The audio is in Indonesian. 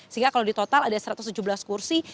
sehingga kalau di total ada satu ratus tujuh belas kursi